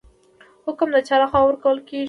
حکم د چا لخوا ورکول کیږي؟